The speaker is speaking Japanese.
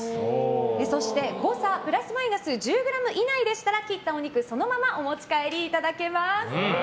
そして誤差プラスマイナス１０ｇ以内でしたら切ったお肉をそのままお持ち帰りいただけます。